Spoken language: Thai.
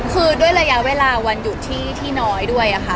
คือด้วยระยะเวลาวันหยุดที่น้อยด้วยค่ะ